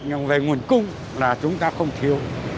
khẳng định về nguồn cung là chúng ta không thiếu